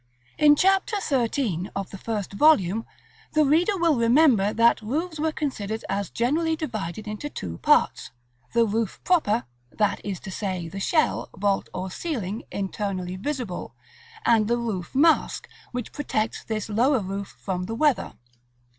§ LXXXI. In Chap. XIII. of the first volume, the reader will remember that roofs were considered as generally divided into two parts; the roof proper, that is to say, the shell, vault, or ceiling, internally visible; and the roof mask, which protects this lower roof from the weather.